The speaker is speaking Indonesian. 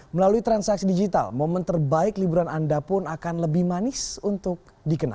melalui transaksi digital momen terbaik liburan anda pun akan lebih manis untuk dikenakan